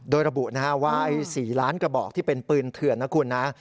โดยระบุว่า๔ล้านกระบอกที่เป็นปืนเถื่อนนะคุณนะ